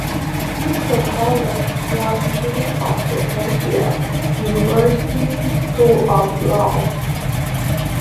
Mr. Pollack was Dean of the Antioch University School of Law.